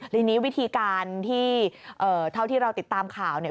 ทีนี้วิธีการที่เท่าที่เราติดตามข่าวเนี่ย